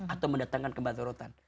atau mendatangkan kebaturotan